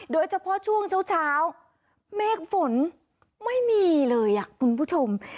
โดยเฉพาะช่วงเช้าเมฆฝนไม่มีเลยคุณผู้ชม